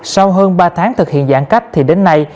sau hơn ba tháng thực hiện giãn cách thì đến nay